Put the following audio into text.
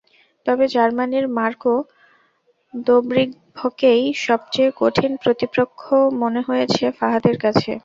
তবে জার্মানির মার্কো দবরিকভকেই সবচেয়ে কঠিন প্রতিপক্ষ মনে হয়েছে ফাহাদের কাছে।